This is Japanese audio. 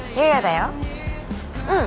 うん。